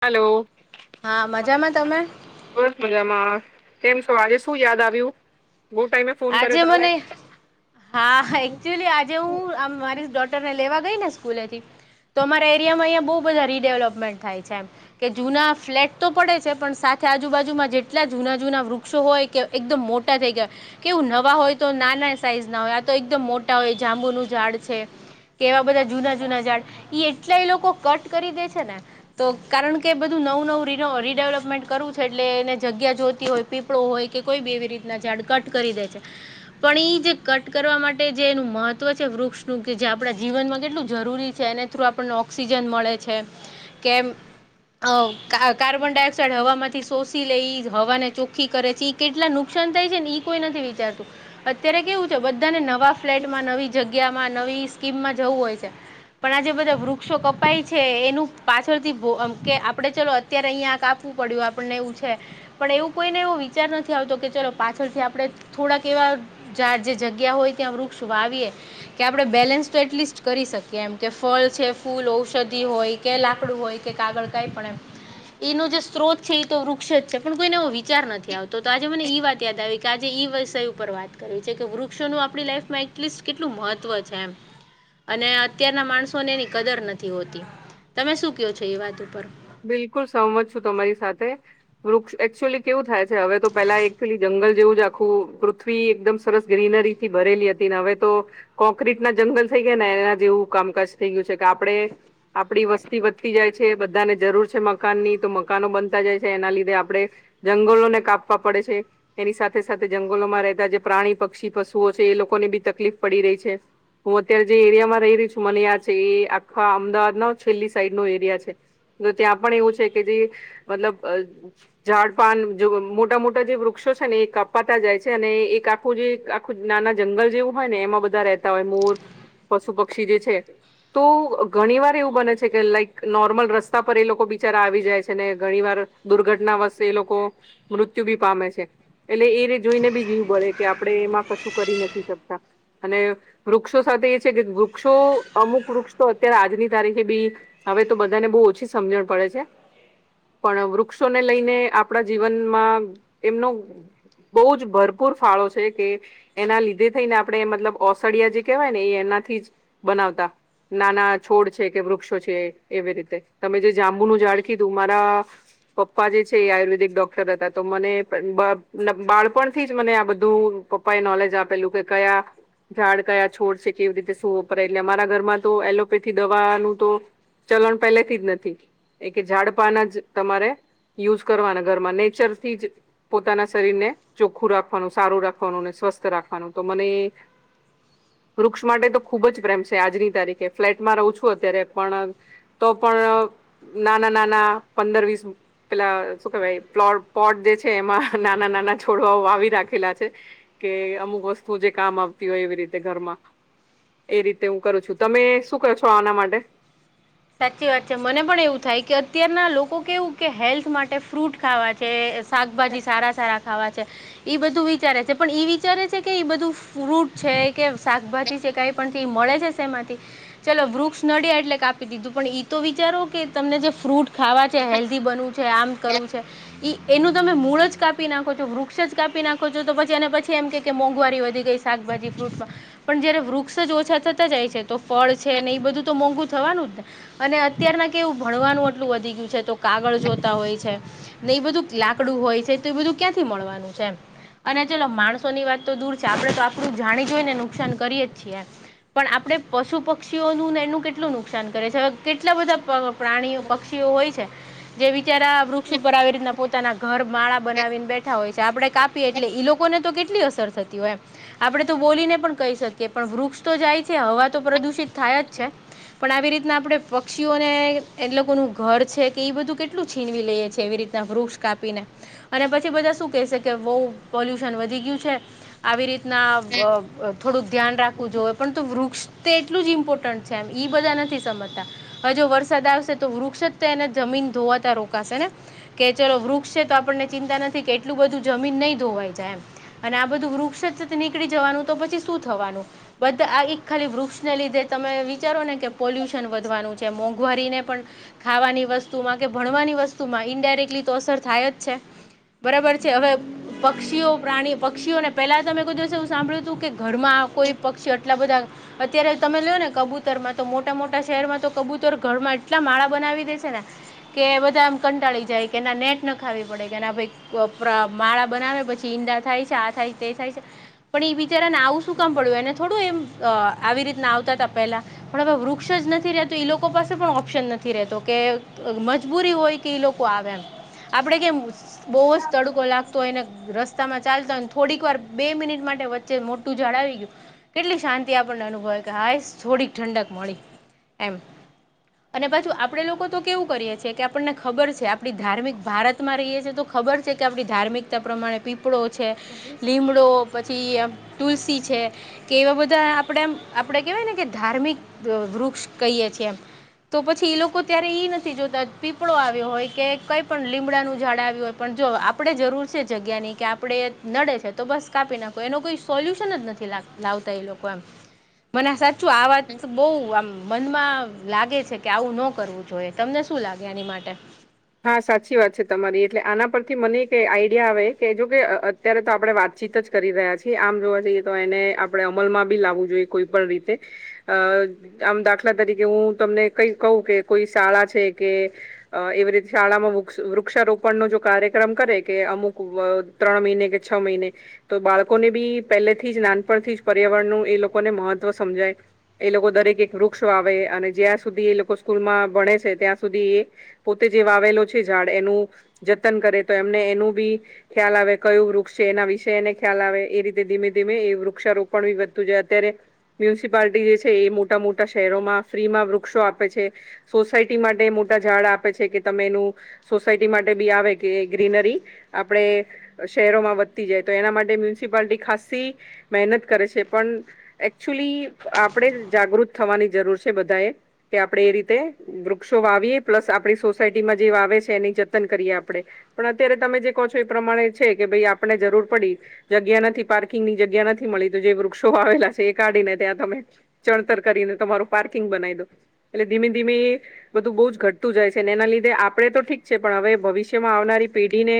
Hello હા મજામાં તમે બસ મજામાં કેમ છો આજે શું યાદ આવ્યું બો ટાઈમે ફોન કર્યો આજે તમે મને હા હ એકચુલી આજે હું આમ મારી ડોટર ને લેવા ગઈ ને સ્કૂલેથી તો અમારા એરિયામાં અહીંયા બો બધા રીડેવલપમેન્ટ થાય છે એમ કે જૂના ફ્લેટ તો પડે છે પણ સાથે આજુબાજુમાં જેટલા જૂના જૂના વૃક્ષો હોય કે એકદમ મોટા થઈ ગયા કેવું નવા હોય તો નાના સાઈઝ ના હોય આ તો એકદમ મોટા હોય જાંબુનું ઝાડ છે. કેવા બધા જૂના જૂના ઝાડ ઈ એટલાય લોકો કટ કરી દે છે ને તો કારણ કે બધું નવું નવું રી રીડેવલપમેન્ટ કરવું છે એટલે એને જગ્યા જોતી હોય પીપળો હોય કે કોઈ બી એવી રીતના ઝાડ કટ કરી દે છે, પણ ઈ જે કટ કરવા માટે જે એનું મહત્વ છે. વૃક્ષ નું કે જે આપણા જીવનમાં કેટલું જરૂરી છે એના થ્રુ આપણને ઓક્સિજન મળે છે, કેમ અ કાર્બન ડાયોક્સાઇડ હવામાંથી શોષી લઈ એજ હવાને ચો ખી કરે છે કેટલા નુકસાન થાય છે ને એ કોઈ નથી વિચારતું અત્યારે કેવું છે બધાને નવા ફ્લેટમાં નવી જગ્યામાં નવી સ્કીમમાં જવું હોય છે પણ આજે બધા વૃક્ષો કપાય છે એનું પાછળથી કે આપડે ચાલો અત્યારે અહીંયા આ કાપવું પડ્યું આપણને એવું છે, પણ એવું કોઈને એવો વિચાર નથી આવતો કે ચલો પાછળથી આપ આપણે થોડાક એવા જે જગ્યા હોય ત્યાં વૃક્ષ વાવીએ કે આપણે બેલેન્સ તો એટલીસ્ટ કરી શકીએ એમ કે ફળ છે ફૂલ ઔષધિ હોય. કે લાકડું હોય કે કાગળ કઈ પણ એ એનો જે સ્ત્રોત છે એ તો વૃક્ષ જ છે પણ કોઈને વિચાર નથી આવતો તો આજે મને ઈ વાત યાદ આવી કે આજે એ વિષય ઉપર વાત કરવી છે, કે વૃક્ષોનું આપણી લાઈફમાં એટલીસ્ટ કેટલું મહત્ત્વ છે. એમ અને અત્યારના માણસોને એની કદર નથી હોતી, તમે શું કો છો એ વાત ઉપર બિલકુલ સંમત છું તમારી સાથે વૃક્ષ એકચુઅલી કેવું થાય છે હવે તો પેલા એક્ચ્યુલી જંગલ જેવું જ આખું પૃથ વી એકદમ સરસ ગ્રીનરી થી ભરેલી હતી ને હવે તો કોંક્ર્રીટ ના જંગલ થઈ ગયા ને એના જે એવું કામકાજ થઇ ગયું છે કે આપડે આપડી વસ્તી વધતી જાય છે બધાને જરૂર છે મકાનની તો મકાનો બનતા જાય છે એના લીધે આપડણે જંગલોને કાપવા પડે છે એની સાથે સાથે જંગલોમાં રહેતા જે પ્રાણી પક્ષી પશુઓ છે એ લોકોને બી તકલીફ પડી રહી છે હું અત્યારે જે એરિયામાં રહી રહી છું મને યાદ છે એ આખા અમદાવાદના છેલ્લી સાઈડ નો એરિયા છે તો ત્યાં પણ એવું છે કે જે મતલબ અ ઝાડ પાાન મોટા મોટા જે વૃક્ષો છે ને એ કાપાતા જાય છે અને એક આખું જે નાના જંગલ જેવું હોય ને એમાં બધા રહેતા હોય મોર પશુ પક્ષી જે છે તો ઘણી વાર એવું બને છે કે લાઈક નોર્મલ રસ રસ્તા પર એ લોકો બિચારા આવી જાય છે ને ઘણી વાર દુર્ઘટના વક્તે એલોકો મૃત્યુ ભી પામે છે એટલે એને જોઈને બી જીવ બડે કે આપણે એમાં કશું કરી નથી શકતા અને વૃક્ષો સાથે એ છે કે વૃક્ષો અમુક વૃક્ષ તો અત્યારે આજની તારીખે બી હવે તો બધાને બવ ઓછી સમજણ પડે છે. પણ વૃક્ષોને લઈને આપડા જીવનમાં એમનો બવજ ભરપૂર ફાળો છે કે એના લીધે થઈને આપણે મતલબ ઓસડિયા જે કહેવાય ને એ એનાથી બનાવતા નાના છોડ છે કે વૃક્ષો છે એવી રીતે તમે જે જાંબુનું ઝાળ કીધું મારા પપ્પા જે છે એ આયુર્વેદિક ડોક્ટર હતા તો મને બ બાળપણથી જ મને આ બધું પપ્પા એ નોલેજ આપેલું કે કયા ઝાડ કયા છોડ છે કેવી રીતે સૂવો પડે એટલે અમારા ઘરમાં તો એલોપેથી દવાનું તો ચલણ પહેલેથી જ નથી એ કે ઝાડપાના જ તમારે યુઝ કરવાના ઘરમાં નેચર થી જ પોતાના શરીરને ચોખ્ખું રાખવાનું સારું રાખવાનું ને સ્વસ્થ રાખવાનું તો મને વૃક્ષ માટે તો ખુબ જ પ્રેમ છે આજની તારીખે ફ્લેટમાં રહું છું અત્યારે પણ તો પણ નાના નાના પંદર વીસ પેલા શું કેવાઈ પ્લોટ પોટ જે છે એમાં નાના નાના છોડવાઓ આવી રાખેલા છે. કે અમુક વસ્તુ જે કામ આવતી હોય એવી રીતે ઘરમાં એ રીતે હું કરું છું તમે શું કરો છો આના માટે સાચી વાત છે મને પણ એવું થાય કે અત્યારના લોકો કેવું કે હેલ્થ માટે ફ્રૂટ ખાવા છે. શાકભાજી સારા સારા ખાવા છે એ બધું વિચારે છે પણ એ વિચારે છે કે એ બધું ફ્રૂટ છે કે શાકભાજી છે કઈ પણ મળે છે એમાંથી ચાલો વૃક્ષ નડિયા એટલે કપ પી દીધું પણ એઈ તો વિચારો કે તમને જે ફ્રૂટ ખાવા છે, હેલ્ધી બનવું છે, આમ કરવું છે. એનું તમે મૂળ જ કાપી નાખો છો વૃક્ષ જ કાપી નાખો છો તો પછી એને પછી એમ કે કે મોંઘવારી વધી ગઈ છે. શાકભાજી ફૂટ માં. પણ જયારે વૃક્ષ જ ઓછા થતા જાય છે તો ફળ છે ને એ બધું તો મોંઘુ થવાનું. અને અત્યારના કેવું ભણવાનું આટલું વધી ગયું છે તો કાગળ જોતા હોય છે. ને એ બધું લાકડું હોય છે તો એ બધું ક્યાંથી મળવાનું છે એમ. અને ચલો માણસો ની વાત તો દૂર છે આપડે તો આપણું જાણી જોઈ ને નુકસાન કરીએ જ છીએ. પણ આપણે પશુ પક્ષીઓનુંને એનું કેટલું નુકસાન કરે છે કેટલા બધા પ્રાણીઓ પક્ષીઓ હોય છે. જે બિચારા વૃક્ષ ઉપર આવી રીતના પોતાના ઘર માળા બનાવીને બેઠા હોય છે. તે આપડે કાપીએ એટલે ઈ લોકોને તો કેટલી અસર થતી હોય એમ. આપડે તો બોલીને પણ કહી શકીએ પણ વૃક્ષ તો જાય છે હવા તો પ્રદુષિત થાય જ છે. પણ આવી રીત તના આપડે પક્ષીઓને એટ લોકોનું ઘર છે કે એ બધું કેટલું છીનવી લઈએ છીએ એવી રીતના વૃક્ષ કાપીને અને પછી અને બધા શું કેશે કે બહું પોલ્યુશન વધી ગયું છે. આવી રીતના આ થોડુંક ધ્યાન રાખવું જો પણ તો વૃક્ષ તે એટલું જ ઇમ્પોર્ટન્ટ છે એમ બધા નથી સ સમજતા હવે જો વરસાદ આવશે તો વૃક્ષ જ તેને જમીન ધોવાતા રોકાશે ને. કે ચલો વૃક્ષ છે તો આપણને ચિંતા નથી કે એટલું બધું જમીન નહી ધોવાઈ જાય એમ. અને આ બધું વૃક્ષ નીકળી જવાનું તો પછી શું થવાનું. બધા આ એક ખાલી વૃક્ષને લીધે તમે વિચારો ને કે પોલ્યુશન વધવાનું છે મોંઘવારીને પણ ખાવાની વસ્તુમાં કે ભણવાની વસ્તુ માં ઈન્ડાયરેક્ટલી તો અસર થાય જ છે. બરાબર છે હવે પક્ષીઓ પ્રાણી પક્ષીઓને પેલા તમે કો દિવસ એવું સાંભળ્યું હતું કે ઘરમાં કોઈ પક્ષી આટલા બધા અત્યારે તમે લોયો ને કબૂતર માં તો મોટા મોટા શહેરમાં તો કબૂતર ઘર માં એટલા માળા બનાવી દે છે ને કે બધા આમ કંટાળી જાય કે ના નેટ નખાવી પડે કે ના ભાઈ આ પ્ર માળા બનાવે પછી ઈંડા થાય છે આ થાય તે થાય છે પણ એ બિચારા ને આવું શું શું કામ પડ્યું એને થોડું એમ આવી રીત આવતા હતા પેલા હમણાં તો વૃ ક્ષ જ નથી રહેત એ લોકો પાસે પણ ઓપ્શન નથી રહેતો કે મજબૂરી હોય કે એ લોકો આવે એમ આપડે કેમ બહુ જ તડકો લાગતો હોયને રસ્તામાં ચાલતા હોયને થોડીક વાર બે મિનિટ માટે વચ્ચે મોટું ઝાડ આવી ગયું કેટલી શાંતિ આપણને અનુભવા કે હાયસ થોડીક ઠંડક મળી. એમ. અને પાછુ આપડે લોકો તો કેવું કરીએ છેએ કે આપણને ખબર છે આપણી ધાર્મિક ભારત માં રહીએ છીએ તો ખબર છે કે આપણી ધાર્મિકતા પ્રમાણે પીપળો છે લીમડો પછીમ તુલસી છે કે એવા બધા આપણેે એમ આપડે કેવાય ને કે ધાર્મિક વૃક્ષ કહીએ છી એમ. તો પછી એ લોકો ત્યારે ઈ નથી જોતા પીપળો આવ્યો હોય કે કઈ પણ લીમડાનું ઝાડ આવ્યું હોય પણ જો આપણે જરૂર જગ્યાની કે આપડે નડે છે, તો બસ કાપી નાખું એનો કોઈ સોલ્યુશન જ નથી લાવતા એ લોકો એમ. મને સાચું આ વાત બઉ આમ મનમાં લાગે છે કે આવું ન કરવું જોઈએ તમને શું લાગે એની માટે. હા સાચી વાત છે, તમારી એટલે આના પરથી મને એક આઈડિયા આવે કે જો કે અત્યારે તો આપણે વાતચીત જ કરી રહ્યા છીએ આમ જોવા જઈએ તો એને આપણે અમલમાં બી લાવવું જોઈએ કોઈ પણ રીતે. અ આમ દાખલા તરીકે હું તમને કઈ કહું કે કોઈ શાળા છે, કે અ [unintelligible] શાળામાં વૃક્ષ વૃક્ષારોપણ નો જો કાર્યક્રમ કરે કે અમુક ત્રણ મહિને કે છ મહિને તો બાળકોને બી પહેલેથી જ નાનપણથી જ પર્યાવરણનું એ લોકોને મહત્વ સમજાય એ લોકો દરેક એક વૃક્ષ વાવે, અને જ્યાં સુધી એ લોકો સ્કૂલમાં ભણે છે, ત્યાં સુધી એ પોતે જે વાવેલો છે ઝાડ, એનું જતન કરે તો એમને એનું બી ખ્યાલ આવે કયું વૃક્ષ છે એના વિશે એને ખ્યાલ આવે, એ રીતે ધીમે-ધીમે એ વૃક્ષારોપણ બી વધતું જાય અત્યારે. મ્યુનિસિપાલટી એ જે છે એ મોટા-મોટા શહેરોમાં ફ્રીમાં વૃક્ષો આપે છે. સોસાયટી માટે મોટા ઝાડ આપે છે કે તમે એનું સોસાયટી માટે બી આવે કે ગ્રીનરી આપણેે શહેરોમાં વધતી જાય, તો એના માટે મ્યુનિસિપાલિટી ખાસ્સી મહેનત કરે છે, પણ એકચ્યુલી આપણેે જ જાગૃત થવાની જરૂર છે બધા એ. કે આપણે એ રીતે વૃક્ષો વાવીએ, પ્લસ આપણી સોસ સાયટીમાં જે આવે છે એની જતન કરીએ આપણે. પણ અત્યારે તમે જે કહો છો એ પ્રમાણે છે કે ભઈ આપને જરૂર પડી જગ્યા નથી પાર્કિંગ ની જગ્યા નથી મલી, તો જે વૃક્ષો વાવેલા છે એ કાઢીને ત્યાં તમે ચણતર કરીને તમારું પાર્કિંગ બનાઈ દો. એટલે ધીમે-ધીમે એ બધું બહુ જ ઘટતું જાય છ છે ને એના લીધે આપણેે તો ઠીક છે, પણ હવે ભવિષ્યમાં આવનારી પેઢીને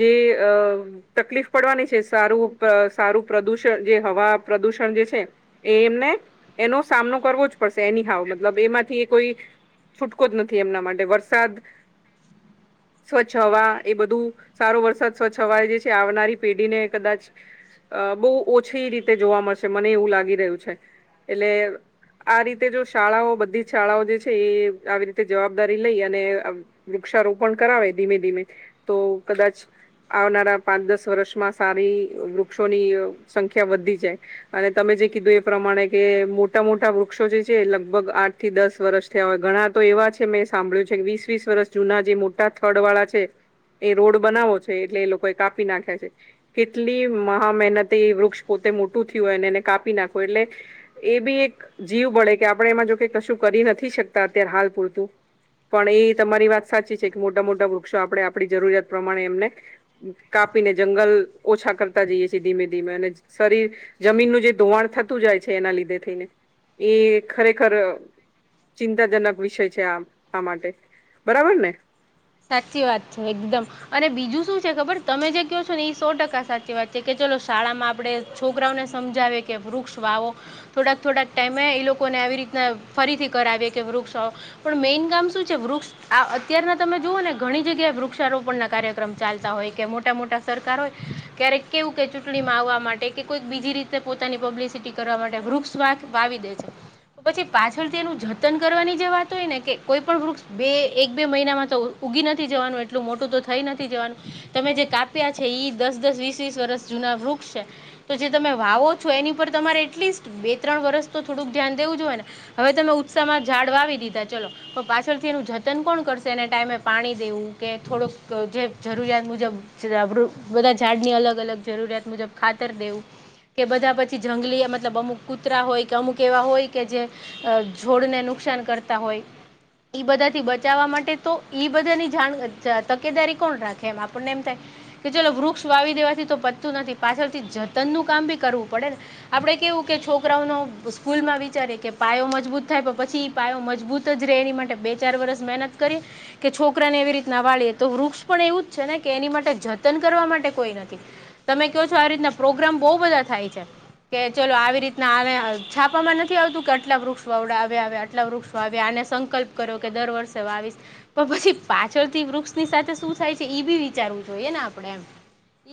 જે અહ તકલીફ પડવાની છે સારું પ સારું પ્રદુષણ જે હવા પ્રદુષણ જે છે એ એમને એનો સામનો કરવો જ પડશે એની હાવ, મતલબ એમાંથી એ કોઈ છૂટકો જ નથી એમના માટે. વરસાદ [inaudible] સ્વચ્છ હવા એ બધું સારો વરસાદ સ્વચ્છ હવા જે છે, આવનારી પેઢીને કદાચ અહ બહુ ઓછી રીતે જોવા મળશે, મને એવું લાગી રહ્યું છે. એટલે આ રીતે જો શાળાઓ બધી જ શાળાઓ જે છે, એ આવી રીતે જવાબ દારી લઈ અને આમ વૃક્ષારોપણ કરાવે ધીમે-ધીમે તો કદાચ આવનારા પાંચ-દસ વર્ષમાં સારી વૃક્ષોની સંખ્યા વધી જાય. અને તમે જે કીધું એ પ્રમાણે કે મોટા-મોટા વૃક્ષો જે છે, એ લગભગ આઠ થી દસ વર્ષ થયા હોય. ઘણા તો એવા છ છે મેં સાંભળ્યું છે, કે વીસ-વીસ વર્ષ જૂના જે મોટા થડવાળા છે એ રોડ બનાવો છે, એટલે એ લોકો એ કાપી નાખ્યા છે. કેટલી મહા મહેનતે એ વૃક્ષ પોતે મોટું થયું હોય અને એને કાપી નાખો એટલે એ બી એક જીવ બળે કે આપણે એમાં જોકે કશું કરી નથી શકતા અત્યારે હાલ પૂરતું. પણ ઈએ તમારી વાત સાચી છે, કે મોટા-મોટા વૃક્ષો આપણે આપણી જરૂરિયાત પ્રમાણે એમને કાપીને જંગલ ઓછા કરતા જઈએ છીએ ધીમે-ધીમે. અને શરી જમીનનું જે ધોવાણ થતું જાય છે, એના લીધે થઈને. એ ખરેખર ચિંતાજનક વિષય છે આ-આ માટે. બરાબર ને? સાચી વાત છે એકદમ. અને બીજું શું છે ખબર, તમે જે કયો છો ને એ સો ટકા સાચી વાત છે, કે ચલો શાળામાં આપડે છોકરાઓને સમજાવે કે વૃક્ષ વાવો થોડાક-થોડાક ટાઈમે ઈ લોકોને આવી રીતના ફરીથી કરાવે કે વૃક્ષો પણ મેઈન કામ શું છે વૃક્ષ આ અત્યારના તમે જુઓ ને ઘણી જગ્યાએ વૃક્ષારોપણના કાર્યક્રમ ચાલતા હોય કે મોટા-મોટા સરકાર હોય, ક્યારેક કેવું કે ચૂંટણીમાં આવવા માટે કે કોઈક બીજી રીતે પોતાની પબ્લિસિટી કરવા માટે વૃક્ષ વાત વાવી દે છે. પછી પાછળ તે એનું જતન કરવાની જે વાત હોય ને કે કોઈ પણ વૃક્ષ બે એક બે મહિનામાં તો ઉઊગી નથી જવાનું એટલું મોટું તો થઈ નથી જવાનું. તમે જે કાપ્યા છે ઈ દસ દસ વીસ વીસ વર્ષ જૂના વૃક્ષ છે. તો જે તમે વાવો છો એની પર તમારે એટલીસ્ટ બે ત્રણ વર્ષ તો થોડુંક ધ્યાન દવું જોઈએ ને. હવે તમે ઉત્સાહ માં ઝાડ વાવી દીધા ચલો પણ પાછળથી એનું જતન કોણ કરશે. ટાઈમે પાણી દવું કે થડો જે જરૂરિયાત મુજબ. જોગરૂત બધા ઝાડ ની અલગ અલગ જરૂરિયાત મુજબ ખાતર દેવું. કે બધા પછી જંગલી મતલબ અમુક કૂતરા હોય કે અમુક એવા હોય કે જે જોડને નુકસાન કરતા હોય ઈ બધાથી બચાવવા માટે તો ઈ બધાની જાણ અ તકેદારી કોણ રાખે એમ આપણને એમ થાય. કે ચલો વૃક્ષ વાવી દેવાથી તો પતતુ નથી પાછળથી જતન નું કામ ભી કરવું પડે ને. આપડે કેવું કે છોકરાઓનો સ્કૂલમાં વિચારે કે પાયો મજબૂત થાય પણ પછી પાયો મજબૂત જ રે એની માટે બે ચાર વર્ષ મહેનત કરી કે છોકરાને એવી રીતના વાળીએ તો વૃક્ષ પણ એવું જ છે ને કે એની માટે જતન કરવા માટે કોઈ નથી તમે કહો છો આ રીતના પ્રોગ્રામ બહુ બધા થાય છે. કે ચલો આવી રીતના આવે છાપમાં નથી આવતું અટલા વૃક્ષ વવડાવયા હવે આટલા વૃક્ષો વાવયા અને સંકલ્પ કર્યો કે દર વર્ષે વાવીશ. પણ પછી પાછળ થી વૃક્ષની સાથે શું થાય છે એ બી વિચારવું જોઈએ ને આપડે એમ.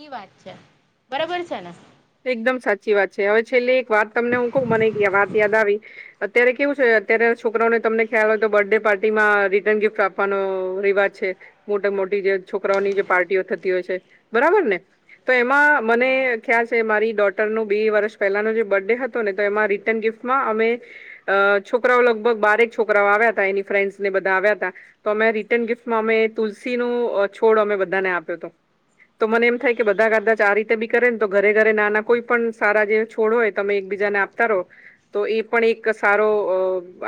ઈ વાત છે બરોબર છે ને. એકદમ સાચી વાત છે હવે છેલ્લે એક વાર તમને હું કહું મને વાત યાદ આવી અત્યારે કેવું છે અત્યારે છોકરાઓને તમને ખ્યાલ હોય તો બર્થડે પાર્ટીમાં રિટર્ન ગિફ્ટ આપ આપવાનો રિવાજ છે મોટા મોટી જે છોકરાઓની જે પાર્ટીઓ થતી હોય છે બરાબર ને તો એમાં મને ખ્યાલ છે. તે મારી ડોટર નો બે વર્ષ પહેલાનો જે બર્થડે હતો ને તો એમાં રિટર્ન ગિફ્ટમાં અમે અ છોકરાઓ લગભગ બારેક છોકરાઓ આવ્યા હતા એની ફ્રેન્ડ્સ ને બધા આવ્યા હતા. તો અમે રિટર્ન ગિફ્ટમાં અમે તુલસી ન અ છોડ અમે બધાને આપ્યો હતો. તો મને એમ થાય કે બધા કાદાચ આ રીતે બી કરે ને તો. ઘરે ઘરે નાના કોઈ પણ સારા જે છોડ હોય તમે એકબીજાને આપતા રહો. તો એ પણ એક સારો અ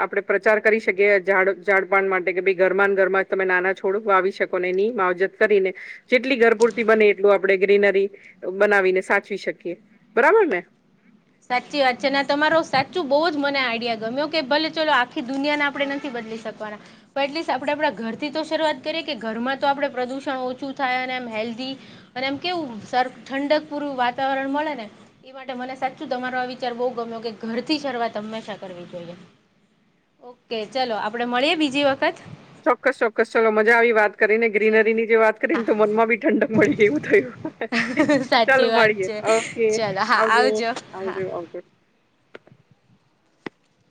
આપણેે પ્રચાર કરી શકીએ ઝાડ ઝાડપણ માટે કે ભાઈ ધરમાં ને ધરમાં તમે નાના છોડ વાવી શકો ને એની માવજત કરીને જેટલી ઘર પૂરતી બને એટલું આપણે ગ્રીનરી બનાવીને સાચવી શકીએ બરાબર ને. સાચી વાત છે અને તમારો સાચું બહુ જ મને આઈડિયા ગમ્યો કે ભલે ચલો આખી દુનિયાને આપણે નથી બદલી તે પણ પણ એટલીસ્ટ આપે આપણા ઘર થી તો શરૂઆત કરીએ કે ઘરમાં તો આપણેે પ્રદુષણ ઓછું થાય અને એમ હેલ્ધી અને એમ કેવું સર ઠંડક પૂરું વાતાવરણ મળે ને એ માટે મને શું તમારો આ વિચાર બહુ ગમ્યો કે ઘર થી શરૂઆત હંમેશા કરવી જોઈએ. ઓકે ચલો આપડે મળીએ બીજી વખત ચોક્કસ ચોક્કસ ચાલો મજા આવી વાત કરીને ચાલો. ગ્રીનરી ની જે વાત હા કરીને તો મનમાં બી ઠંડક મળી ગવું થયું. ચાલો સાચી વાત મળીએે છે ઓકે ચલો હા આવજો આવજો આવજો.